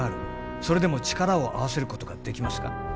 それでも力を合わせることができますか？